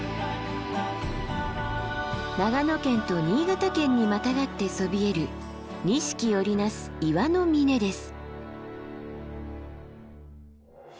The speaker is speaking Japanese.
長野県と新潟県にまたがってそびえる錦織り成す岩の峰です。